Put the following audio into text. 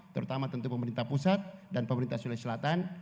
terutama tentu pemerintah pusat dan pemerintah sulawesi selatan